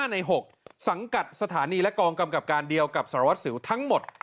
ใน๖สังกัดสถานีและกองกำกับการเดียวกับสารวัตรสิวทั้งหมด